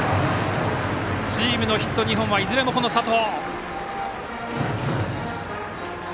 チームのヒット２本いずれも、この佐藤！